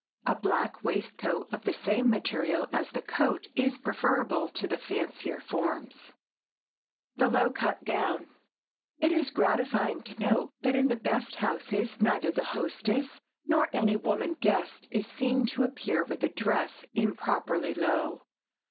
A black waistcoat of the same material as the coat is preferable to the fancier forms. [Sidenote: THE LOW CUT GOWN] It is gratifying to note that in the best houses neither the hostess nor any woman guest is seen to appear with a dress improperly low.